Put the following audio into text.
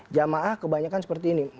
jamaah kebanyakan seperti ini